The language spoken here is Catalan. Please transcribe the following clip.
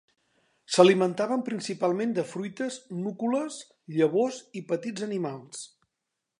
S'alimentaven principalment de fruites, núcules, llavors i petits animals.